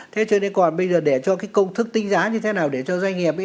thế cho nên còn bây giờ để cho cái công thức tính giá như thế nào để cho doanh nghiệp ấy